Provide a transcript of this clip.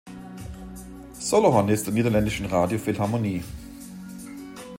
Solo-Hornist der Niederländischen Radio Philharmonie.